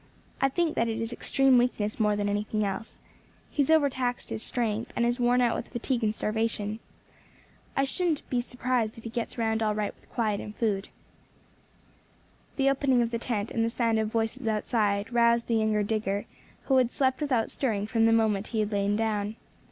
I think that it is extreme weakness more than anything else; he has overtaxed his strength, and is worn out with fatigue and starvation. I shouldn't be surprised if he gets round all right with quiet and food." The opening of the tent, and the sound of voices outside, roused the younger digger, who had slept without stirring from the moment he had lain down.